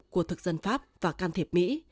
của thực dân pháp và can thiệp mỹ